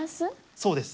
そうです。